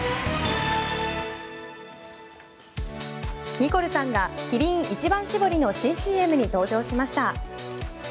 ニコルさんがキリン一番搾りの新ＣＭに登場しました。